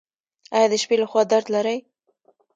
ایا د شپې لخوا درد لرئ؟